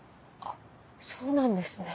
そうなんですね。